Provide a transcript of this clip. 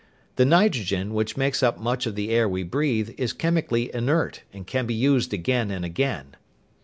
The nitrogen, which makes up much of the air we breathe, is chemically inert and can be used again and again."